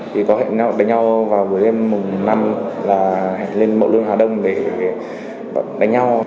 thì có hẹn đánh nhau vào buổi đêm mùng năm là hẹn lên mậu lương hà đông để đánh nhau